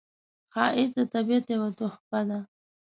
ښایست د طبیعت یوه تحفه ده